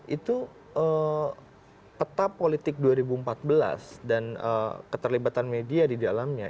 itu peta politik dua ribu empat belas dan keterlibatan media di dalamnya